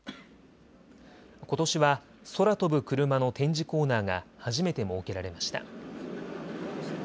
ことしは空飛ぶクルマの展示コーナーが初めて設けられました。